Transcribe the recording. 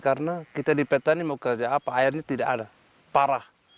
karena kita di peta ini mau kerja apa airnya tidak ada parah